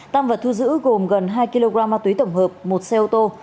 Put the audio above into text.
tăng vật thu giữ gồm gần hai kg ma túy tổng hợp một xe ô tô